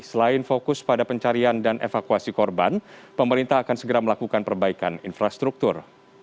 selain fokus pada pencarian dan evakuasi korban pemerintah akan segera melakukan perbaikan infrastruktur